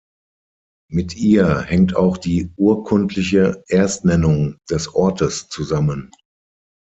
Mit ihr hängt auch die urkundliche Erstnennung des Ortes zusammen.